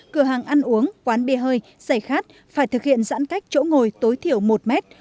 cửa hàng ăn uống quán bia hơi giày khát phải thực hiện giãn cách chỗ ngồi tối thiểu một mét